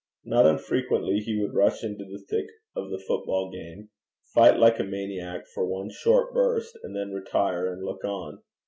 Not unfrequently he would rush into the thick of the football game, fight like a maniac for one short burst, and then retire and look on.